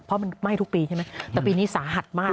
เพราะมันไหม้ทุกปีใช่ไหมแต่ปีนี้สาหัสมาก